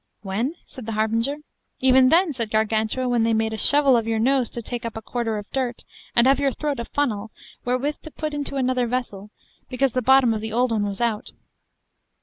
When? said the harbinger. Even then, said Gargantua, when they made a shovel of your nose to take up a quarter of dirt, and of your throat a funnel, wherewith to put it into another vessel, because the bottom of the old one was out.